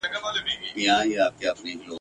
یا وینه ژاړي یا مینه !.